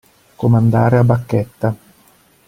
Comandare a bacchetta.